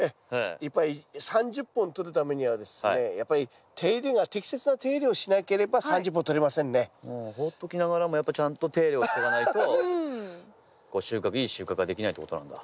いっぱい３０本とるためにはですねやっぱりほっときながらもやっぱちゃんと手入れをしとかないと収穫いい収穫ができないってことなんだ。